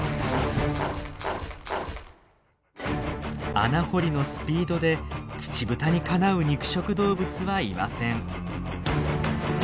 穴掘りのスピードでツチブタにかなう肉食動物はいません。